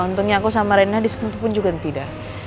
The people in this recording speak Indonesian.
untungnya aku sama rena disentuh pun juga tidak